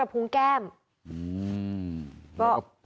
อ๋ออาจารย์ฟิลิป